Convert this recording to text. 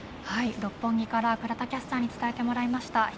六本木から倉田キャスターに伝えてもらいました。